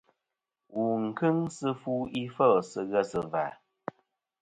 Wù n-kɨŋ sɨ fu ifêl sɨ ghesɨ̀và.